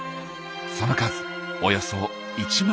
その数およそ１万。